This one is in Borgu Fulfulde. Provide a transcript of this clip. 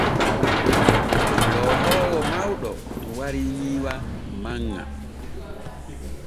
Loohoowo mawɗo warii nyiiwa manŋa.